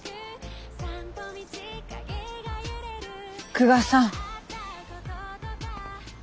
久我さん。